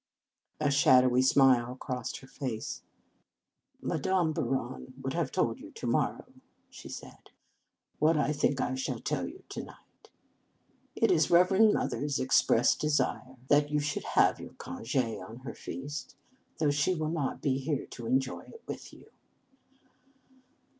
A shadowy smile crossed her face. " Madame Bouron would have told you to morrow," she said, "what I think I shall tell you to night. It is Reverend Mother s express desire that you should have 210 Reverend Mother s Feast your conge on her feast, though she will not be here to enjoy it with you."